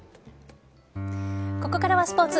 ここからはスポーツ。